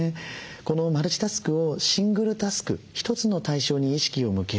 このマルチタスクをシングルタスク一つの対象に意識を向ける。